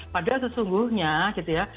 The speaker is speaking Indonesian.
padahal sesungguhnya gitu ya